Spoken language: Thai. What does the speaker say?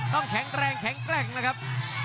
ต้องแข็งแรงแข็งแกร่งนะครับ